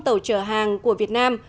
tàu trở hàng của việt nam